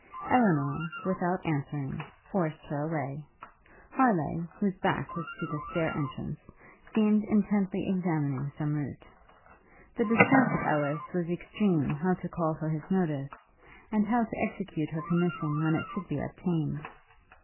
Elinor, without answering, forced her away. Harleigh, whose back was to the stair entrance, seemed intently examining some route. The distress of Ellis was extreme how to call for his notice, and how to execute her commission when it should be obtained.